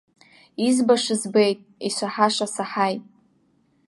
Избаша збеит, исаҳаша саҳаит.